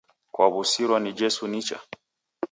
Kwawusirwa ni jesu nicha